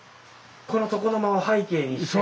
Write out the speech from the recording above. この床の間を背景にして。